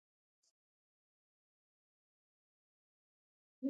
په افغانستان کې د لعل د اړتیاوو پوره کولو لپاره اقدامات کېږي.